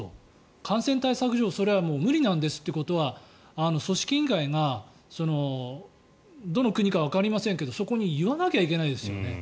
感染対策上それは無理なんですと組織委員会がどの国かはわかりませんけれどもそこに言わなきゃいけないですよ。